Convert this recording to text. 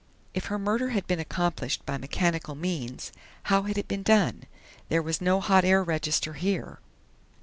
If her murder had been accomplished by mechanical means, how had it been done? There was no hot air register here....